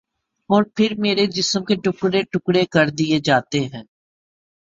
اور پھر میرے جسم کے ٹکڑے ٹکڑے کر دیے جاتے ہیں